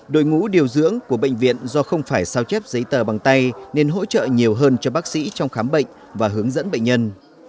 đội ngũ điều dưỡng của bệnh viện do không phải sao chép giấy tờ bằng tay nên hỗ trợ nhiều hơn cho bác sĩ trong khám bệnh và hướng dẫn bệnh nhân